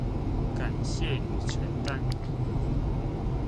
感謝與承擔